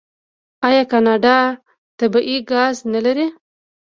آیا کاناډا طبیعي ګاز نلري؟